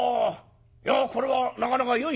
いやこれはなかなかよいな。